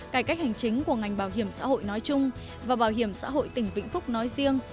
cải cách hành chính của ngành bảo hiểm xã hội nói chung và bảo hiểm xã hội tỉnh vĩnh phúc nói riêng